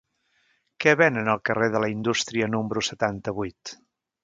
Què venen al carrer de la Indústria número setanta-vuit?